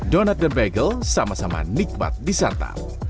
donat dan bagel sama sama nikmat disantap